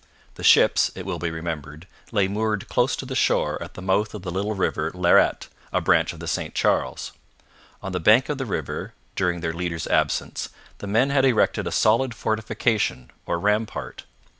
The ships, it will be remembered, lay moored close to the shore at the mouth of the little river Lairet, a branch of the St Charles. On the bank of the river, during their leader's absence, the men had erected a solid fortification or rampart.